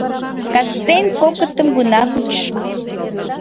Кастен кокытым гына кучышым.